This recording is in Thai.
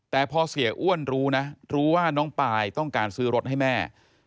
แต่พอเสียอ้วนรู้นะรู้ว่าน้องปายต้องการซื้อรถให้แม่